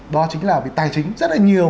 đó chính là vì tài chính rất là nhiều